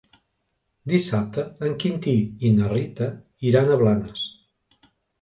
Dissabte en Quintí i na Rita iran a Blanes.